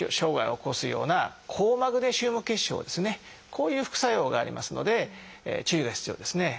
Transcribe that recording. こういう副作用がありますので注意が必要ですね。